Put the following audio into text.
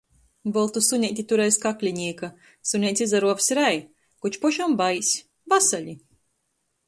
Boltu suneiti tur aiz kaklinīka, suneits izaruovs rej, koč pošam bais. Vasali!